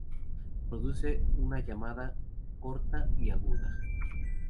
Produce una llamada corta y aguda.